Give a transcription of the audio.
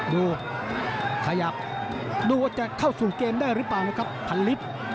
ดูขยับดูว่าจะเข้าสู่เกมได้หรือเปล่านะครับพันลิฟต์